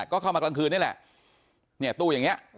ก็เข้ามากลางคืนนี่แหละเนี่ยตู้อย่างนี้